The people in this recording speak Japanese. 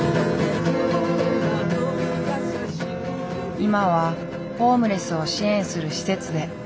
今はホームレスを支援する施設で暮らしている。